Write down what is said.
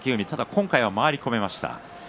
今回は回り込みました。